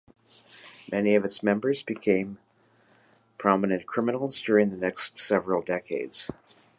Many of its members later became prominent criminals during the next several decades.